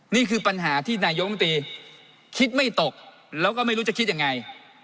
นี่คือปัญหาที่นายกรรมตรีคิดไม่ตกแล้วก็ไม่รู้จะคิดยังไง